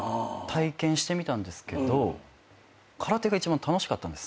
体験してみたんですけど空手が一番楽しかったんです